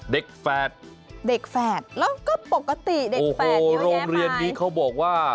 แฝดเด็กแฝดแล้วก็ปกติเด็กแฝดโรงเรียนนี้เขาบอกว่า